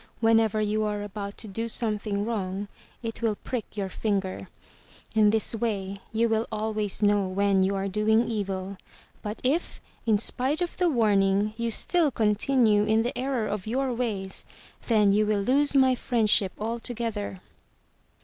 Whenever you are about to do something wrong, it will prick your finger. In this way you will always know when you are doing evil, 327 MY BOOK HOUSE but if, in spite of the warning, you still continue in the error of your ways, then you will lose my friendship altogether."